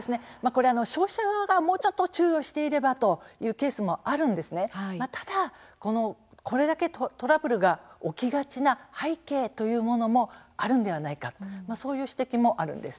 消費者側がもう少し注意していればというケースもあるんですが、ただこれだけトラブルが起きがちな背景もあるのではないかという指摘もあるんです。